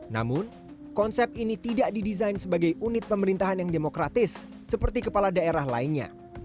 namun konsep ini tidak didesain sebagai unit pemerintahan yang demokratis seperti kepala daerah lainnya